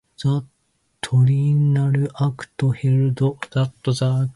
The Triennial Act held that the Crown summon Parliament every three years.